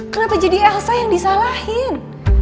kenapa jadi elsa yang disalahin